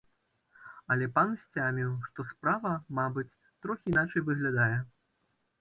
Але пан сцяміў, што справа, мабыць, трохі іначай выглядае.